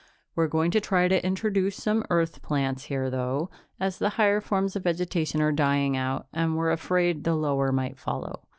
We're going to try to introduce some Earth plants here, though, as the higher forms of vegetation are dying out and we're afraid the lower might follow.